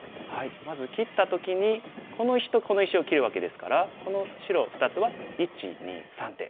まず切った時にこの石とこの石を切るわけですからこの白２つは１２３手。